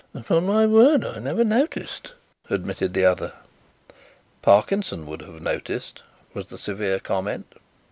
"Upon my word, I never noticed," admitted the other. "Parkinson would have noticed," was the severe comment.